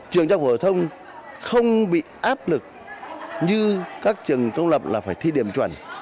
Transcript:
trường trung học phổ thông không bị áp lực như các trường công lập là phải thi điểm chuẩn